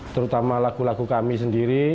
terutama lagu lagu kami sendiri